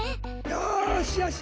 よしよし！